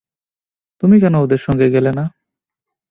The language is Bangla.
তুমি কেন ওদের সঙ্গে গেলে না?